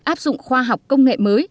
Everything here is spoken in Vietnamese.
áp dụng khoa học công nghệ mới